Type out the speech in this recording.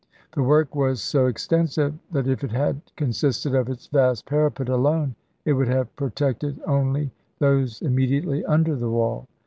The work was so extensive that if it had consisted of its vast parapet alone it would have protected only those immediately under the wall.